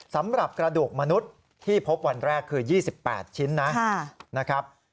สำหรับกระดูกมนุษย์ที่พบวันแรกคือ๒๘ชิ้นนะครับ